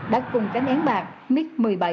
đã cùng cánh én bạc mig một mươi bảy